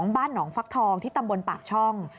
บ้านหนองฟักทองที่ตำบลปากช่อง